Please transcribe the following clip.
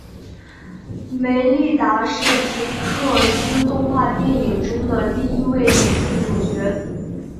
梅莉达是皮克斯动画电影中的第一位女性主角。